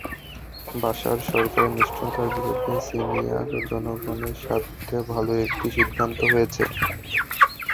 বাশার সরকারের নিষ্ঠুরতার বিরুদ্ধে সিরিয়ার জনগণের স্বার্থে ভালো একটি সিদ্ধান্ত হয়েছে।